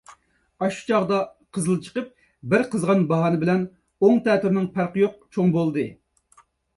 ئاشۇ چاغدا قىزىل چىقىپ، بىر قىزىغان باھانە بىلەن ئوڭ-تەتۈرىنىڭ پەرقى يوق چوڭ بولدى.